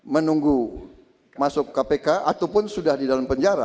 menunggu masuk kpk ataupun sudah di dalam penjara